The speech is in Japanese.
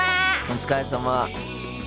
お疲れさま。